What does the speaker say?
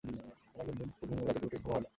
আমার খুব ঘুম ঘুম লাগে কিন্তু ঠিকমত ঘুমও হয় না